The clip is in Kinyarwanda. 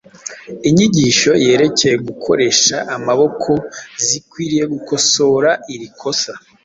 Inyigisho yerekeye gukoresha amaboko zikwiriye gukosora iri kosa.